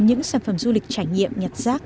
những sản phẩm du lịch trải nghiệm nhặt rác